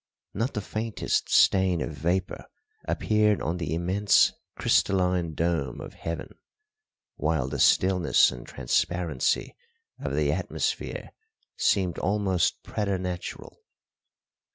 Not the faintest stain of vapour appeared on the immense crystalline dome of heaven, while the stillness and transparency of the atmosphere seemed almost preternatural.